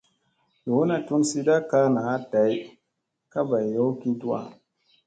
Yoona tun siida kaa day ka bay yow ki tuwa.